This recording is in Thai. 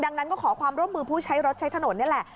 ดังนั้นก็ขอความร่วมมือผู้ใช้รถใช้ถนนนี่แหละ